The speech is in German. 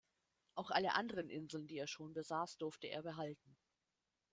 Auch alle anderen Inseln, die er schon besaß, durfte er behalten.